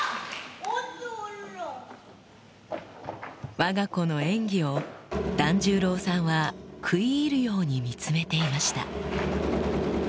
わが子の演技を團十郎さんは食い入るように見つめていました